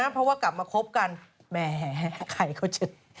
เพราะว่ากลับมาคบกันแหมใครเขาจะ